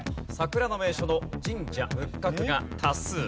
桜の名所の神社仏閣が多数。